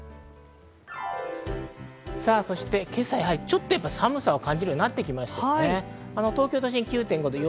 そして今朝、やはり寒さを感じるようになってきました。